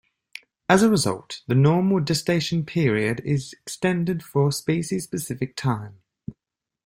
As a result, the normal gestation period is extended for a species-specific time.